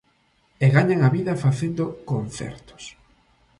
E gañan a vida facendo concertos.